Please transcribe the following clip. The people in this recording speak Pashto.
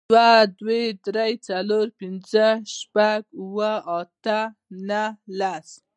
یو، دوه، درې، څلور، پینځه، شپږ، اووه، اته، نهه او لس